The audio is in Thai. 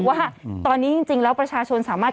ว่าตอนนี้จริงแล้วประชาชนสามารถ